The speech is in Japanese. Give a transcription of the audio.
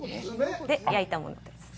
焼いたものです。